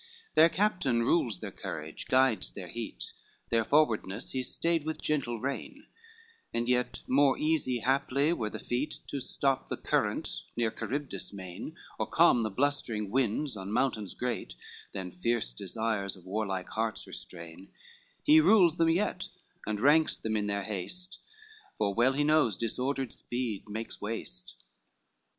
II Their captain rules their courage, guides their heat, Their forwardness he stayed with gentle rein; And yet more easy, haply, were the feat To stop the current near Charybdis main, Or calm the blustering winds on mountains great, Than fierce desires of warlike hearts restrain; He rules them yet, and ranks them in their haste, For well he knows disordered speed makes waste.